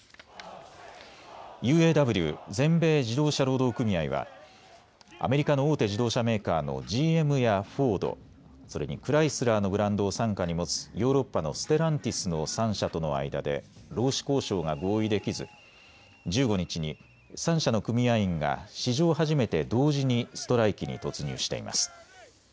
ＵＡＷ・全米自動車労働組合はアメリカの大手自動車メーカーのＧＭやフォード、それにクライスラーのブランドを傘下に持つヨーロッパのステランティスの３社との間で労使交渉が合意できず１５日に３社の組合員が史上初めて同時にストライキに突入しています。